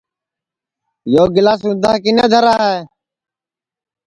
یو گِلاس اُندھا کِنے دھرا ہے